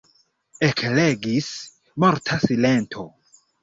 Ekregis morta silento.